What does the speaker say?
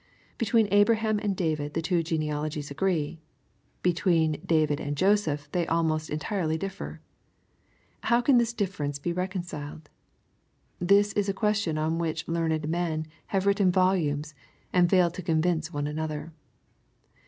Between Abraham and David the two genealogies agree. Between David and Joseph they almost entirely diSfer. How can this difference be reconciled? This is a question on which learned men have written volumes, and failed to convince one another.